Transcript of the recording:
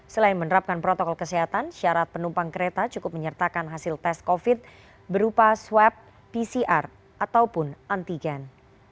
selain menerapkan protokol kesehatan syarat penumpang kereta cukup menyertakan hasil tes covid berupa swab pcr ataupun antigen